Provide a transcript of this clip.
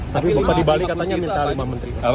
tapi bapak di bali katanya minta lima menteri